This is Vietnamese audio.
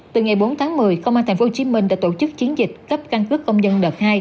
từ ngày bốn tháng một mươi công an tp hcm đã tổ chức chiến dịch cấp căn cước công dân đợt hai